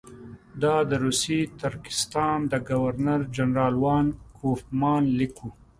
دا د روسي ترکستان د ګورنر جنرال وان کوفمان لیک وو.